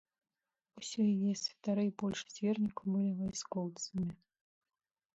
Усё яе святары і большасць вернікаў былі вайскоўцамі.